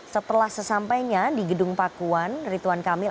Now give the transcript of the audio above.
setelah sesampainya di gedung pakuan rituan kamil